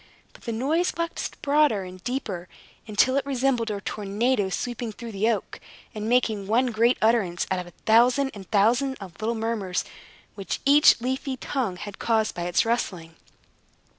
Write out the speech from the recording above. But the noise waxed broader and deeper, until it resembled a tornado sweeping through the oak, and making one great utterance out of the thousand and thousand of little murmurs which each leafy tongue had caused by its rustling.